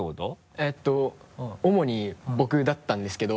えっと主に僕だったんですけど。